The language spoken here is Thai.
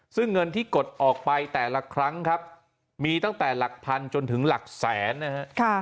ซึ่งเงินที่กดออกไปแต่ละครั้งครับมีตั้งแต่หลักพันจนถึงหลักแสนนะฮะ